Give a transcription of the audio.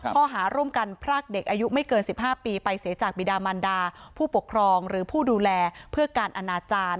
ข้อหาร่วมกันพรากเด็กอายุไม่เกิน๑๕ปีไปเสียจากบิดามันดาผู้ปกครองหรือผู้ดูแลเพื่อการอนาจารย์